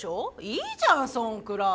いいじゃんそんくらい。